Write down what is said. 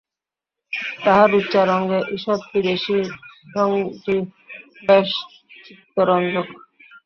তাঁহার উচ্চারণে ঈষৎ বিদেশী ঢঙটি বেশ চিত্তরঞ্জক।